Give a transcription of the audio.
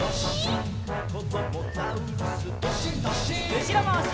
うしろまわし。